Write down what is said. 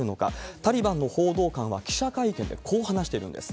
タリバンの報道官は記者会見でこう話しているんです。